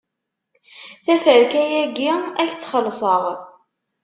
Taferka-agi, ad k-tt-xelṣeɣ.